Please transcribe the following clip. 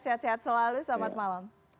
sehat sehat selalu selamat malam